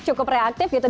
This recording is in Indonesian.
cukup reaktif gitu